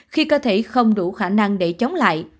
khi cơ thể không đủ khả năng